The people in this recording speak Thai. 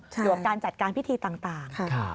ดักการจัดการพิธีต่าง